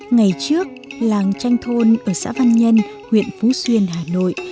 ngày trước làng tranh thôn ở xã văn nhân huyện phú xuyên hà nội